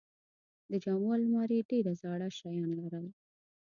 د جامو الماری ډېرې زاړه شیان لرل.